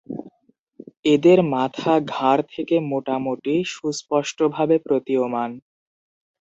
এদের মাথা, ঘাড় থেকে মোটামুটি সুস্পষ্টভাবে প্রতীয়মান।